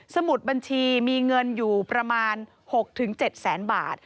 สมุดบัญชีมีเงินอยู่ประมาณ๖๗แสนบาท